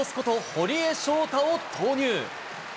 堀江翔太を投入。